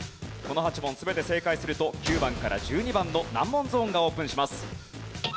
この８問全て正解すると９番から１２番の難問ゾーンがオープンします。